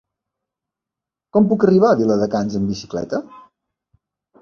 Com puc arribar a Viladecans amb bicicleta?